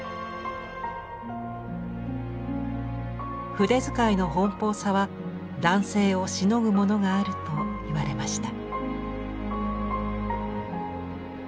「筆遣いの奔放さは男性をしのぐものがある」と言われました。